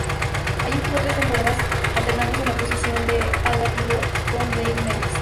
Allí jugó tres temporadas, alternándose en la posición de ala-pívot con Dave Meyers.